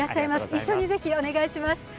一緒にぜひお願いします。